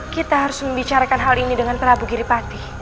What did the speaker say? kita harus membicarakan hal ini dengan prabu giripati